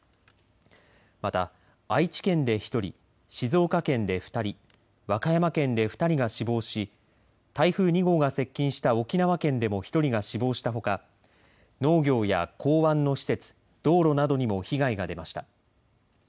また愛知県で１人、静岡県で２人、和歌山県で２人が死亡し台風２号が接近した沖縄県でも１人が死亡したほか農業や港湾の施設、道路などにも被害が出ました。